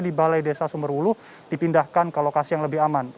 di balai desa sumberwuluh dipindahkan ke lokasi yang lebih aman